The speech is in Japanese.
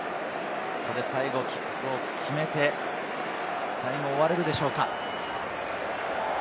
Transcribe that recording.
最後、キックを決めて終われるでしょうか？